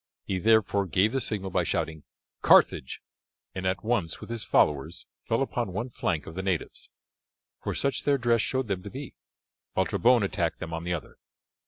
He therefore gave the signal by shouting "Carthage," and at once with his followers fell upon one flank of the natives, for such their dress showed them to be, while Trebon attacked them on the other.